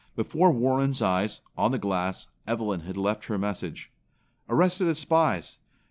Before Warren's eyes, on the glass, Evelyn had left her message: "Arrested as spies.